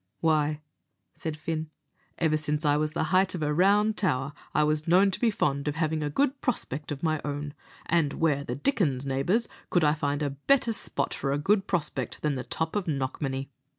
"Why," said Fin, "ever since I was the height of a round tower, I was known to be fond of having a good prospect of my own; and where the dickens, neighbours, could I find a better spot for a good prospect than the top of Knockmany?